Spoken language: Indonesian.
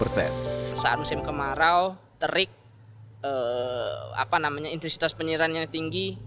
saat musim kemarau terik intensitas penyirannya tinggi